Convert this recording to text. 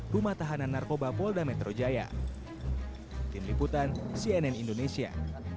rumah tahanan narkoba polda metro jaya tim liputan cnn indonesia